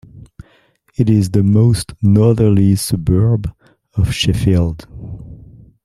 It is the most northerly suburb of Sheffield.